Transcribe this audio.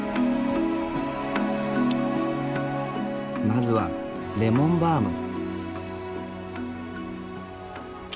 まずはレモンバーム。